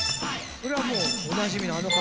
これはもうおなじみのあの方。